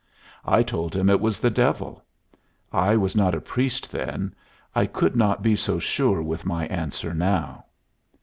I told him it was the devil. I was not a priest then. I could not be so sure with my answer now."